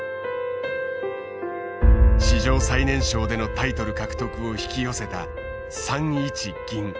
史上最年少でのタイトル獲得を引き寄せた３一銀。